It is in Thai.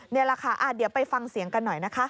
นี่แหละค่ะเดี๋ยวไปฟังเสียงกันหน่อยนะคะ